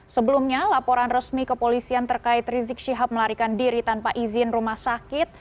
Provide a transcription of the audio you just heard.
sebelumnya laporan resmi kepolisian terkait rizik syihab melarikan diri tanpa izin rumah sakit